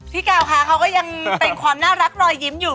พี่กาวค่ะเขาก็ยังเป็นความน่ารักรอยยิ้มอยู่